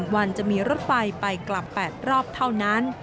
วันจะมีรถไฟไปกลับ๘รอบเท่านั้น